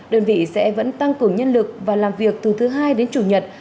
đơn vị sẽ vẫn tăng cường nhân lực và làm việc từ thứ hai đến chủ nhật